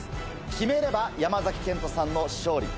決めれば山賢人さんの勝利。